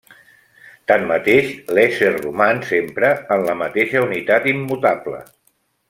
Tanmateix, l'ésser roman sempre en la mateixa unitat immutable.